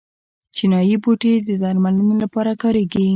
چینايي بوټي د درملنې لپاره کاریږي.